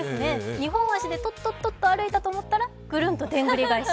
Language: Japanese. ２本足でとっとっとっと歩いたと思ったら、ぐるんとでんぐりがえし。